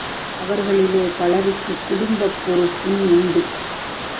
அவர்களிலே பலருக்குக் குடும்பப் பொறுப்பும் உண்டு.